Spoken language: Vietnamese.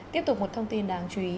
tiếp tục một thông tin đáng chú ý